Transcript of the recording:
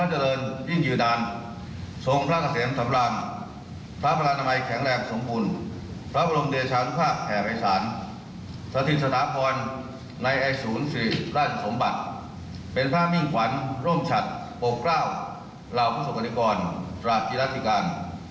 หน้ามิงขวัญร่วมชัดประกร่าวเหล่าผู้สมริกรราชิราธิการ